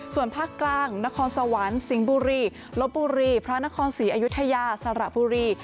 ส่วนภาคกลางนครสวรรค์สิงห์บุรีลบบุรีพระนครศรีอยุธยาสระบุรี